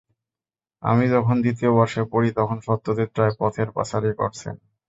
আমি যখন দ্বিতীয় বর্ষে পড়ি, তখন সত্যজিত্ রায় পথের পাঁচালী করছেন।